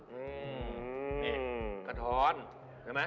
นี่กะท้อนเห็นไหม